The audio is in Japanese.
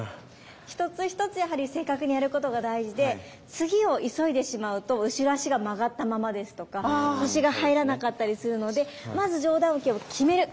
一つ一つやはり正確にやることが大事で次を急いでしまうと後ろ足が曲がったままですとか腰が入らなかったりするのでまず上段受けを極める。